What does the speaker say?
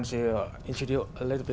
giới thiệu một chút về tôi